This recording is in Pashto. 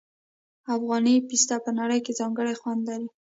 افغاني پسته په نړۍ کې ځانګړی خوند لري.